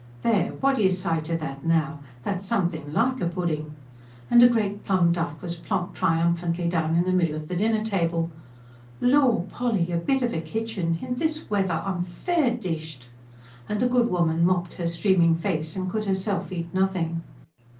"There! what do you say to that now? That's something LIKE a pudding!" and a great plum duff was planked triumphantly down in the middle of the dinner table. "Lor, Polly! your bit of a kitchen ... in this weather ... I'm fair dished." And the good woman mopped her streaming face and could herself eat nothing.